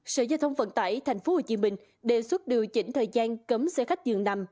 sở giao thông vận tải tp hcm đề xuất điều chỉnh thời gian cấm xe khách dường nằm